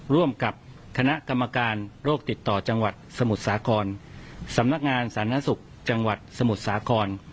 ร่วมกับคณะกรรมการโรคติดต่อจังหวัดสมุทรสาครสำนักงานสาธารณสุขจังหวัดสมุทรสาคร